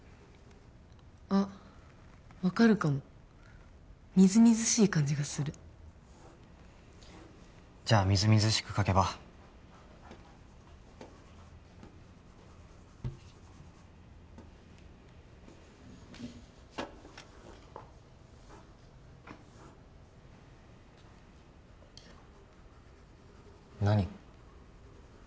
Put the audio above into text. あっ分かるかもみずみずしい感じがするじゃあみずみずしく描けば何？